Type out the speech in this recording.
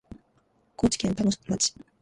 高知県田野町